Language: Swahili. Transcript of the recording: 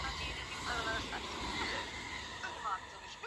Israeli kuna mashaka juu ya mipango ya Uajemi kupanua teknolojia